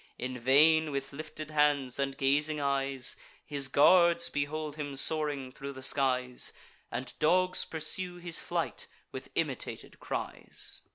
In vain, with lifted hands and gazing eyes, His guards behold him soaring thro' the skies, And dogs pursue his flight with imitated cries.